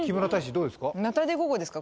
どうですか？